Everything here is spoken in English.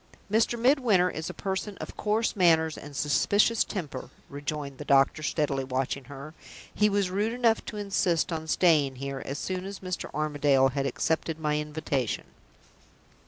"Mr. Midwinter is a person of coarse manners and suspicious temper," rejoined the doctor, steadily watching her. "He was rude enough to insist on staying here as soon as Mr. Armadale had accepted my invitation."